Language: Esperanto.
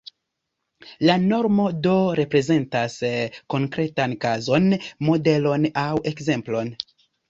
La normo, do, reprezentas konkretan kazon, modelon aŭ ekzemplon.